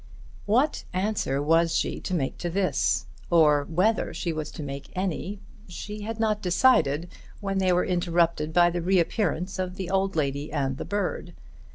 What answer she was to make to this or whether she was to make any she had not decided when they were interrupted by the reappearance of the old lady and the bird.